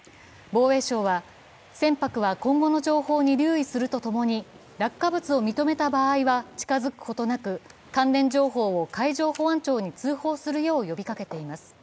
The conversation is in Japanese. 防衛省は、船舶は今後の情報に留意するとともに落下物を認めた場合は近づくことなく関連情報を海上保安庁に通報するよう呼びかけています。